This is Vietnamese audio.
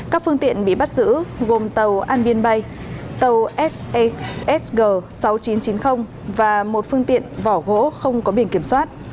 các phương tiện bị bắt giữ gồm tàu an biên bay tàu seg sáu nghìn chín trăm chín mươi và một phương tiện vỏ gỗ không có biển kiểm soát